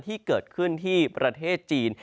ที่เกิดขึ้นที่ประเทศจีน